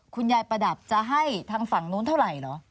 คุณยายประดับจะให้ทางฝั่งนู้นเท่าไหร่เหรอ